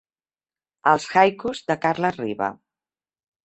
Els haikus de Carles Riba.